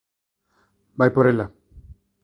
Vai por ela!